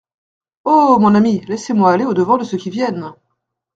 Oh ! mon ami, laissez-moi aller au-devant de ceux qui viennent.